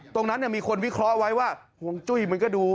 ตรงนั้นเนี่ยมีคนวิเคราะห์ไว้ว่าห่วงจุ้ยมันก็ดู